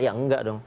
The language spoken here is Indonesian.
ya enggak dong